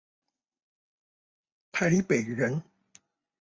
台北人